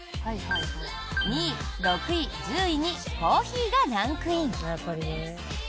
２位、６位、１０位にコーヒーがランクイン！